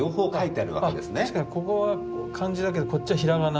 あ確かにここは漢字だけどこっちは平仮名。